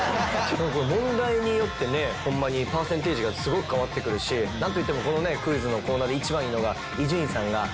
問題によってねホンマにパーセンテージがすごく変わってくるしなんといってもこのねクイズのコーナーで１番いいのが伊集院さんが１位取れない姿。